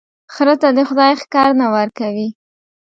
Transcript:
خره ته دي خداى ښکر نه ور کوي،